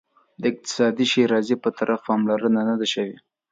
د اقتصادي ښیرازي په طرف پاملرنه نه ده شوې.